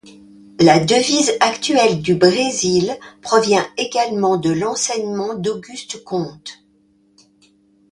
La devise actuelle du Brésil provient également de l'enseignement d'Auguste Comte.